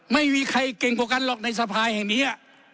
ไม่มีใครเก่งกว่ากันหรอกในสภาแห่งนี้